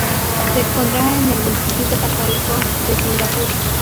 Se expondrá en el Instituto Católico de Singapur.